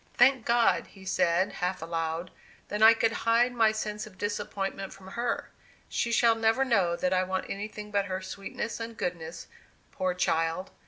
"Thank God!" he said, half aloud, "that I can hide my sense of disappointment from her! She shall never know that I want anything but her sweetness and goodness, poor child!